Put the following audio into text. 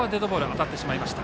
当たってしまいました。